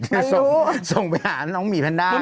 ไม่รู้ส่งไปหาน้องหมี่แพนด้าง